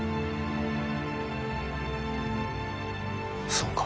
そうか。